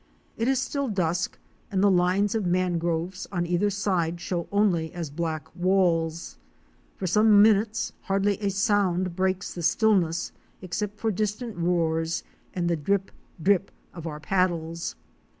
It is still dusk, and the lines of mangroves on either side show only as black walls. For some minutes hardly a sound breaks the stillness except the distant roars and the drip, drip of our paddles.